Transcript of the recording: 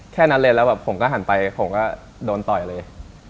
แค่นั้นเลยแล้วแบบผมก็หันไปผมก็โดนต่อยเลย